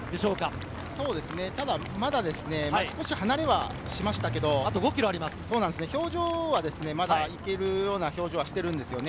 まだ、少し離れはしましたけれど、表情はまだいけるような表情をしているんですよね。